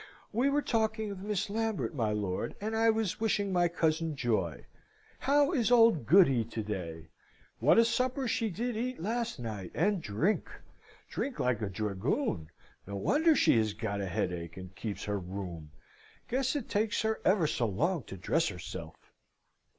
We were talking of Miss Lambert, my lord, and I was wishing my cousin joy. How is old Goody to day? What a supper she did eat last night, and drink! drink like a dragoon! No wonder she has got a headache, and keeps her room. Guess it takes her ever so long to dress herself."